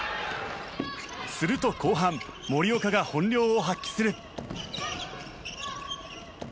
すると後半森岡が本領を発揮する。